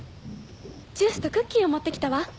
ジュースとクッキーを持って来たわ。